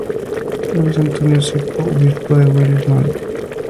Luis Antonio Secco, Obispo de Willemstad.